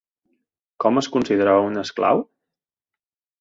Com es considerava un esclau?